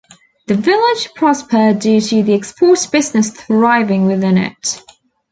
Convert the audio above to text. The village prospered due to the export business thriving within it.